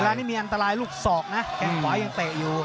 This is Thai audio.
อันนี้มีอันตรายลูกศอกนะแข้งขวายังเตะอยู่